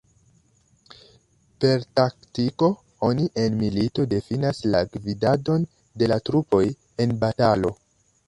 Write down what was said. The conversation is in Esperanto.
Per taktiko oni en militoj difinas la gvidadon de la trupoj en batalo.